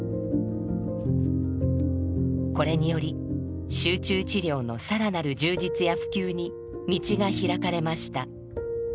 これにより集中治療の更なる充実や普及に道が開かれました。